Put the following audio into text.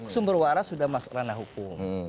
sumber waras sudah masuk ranah hukum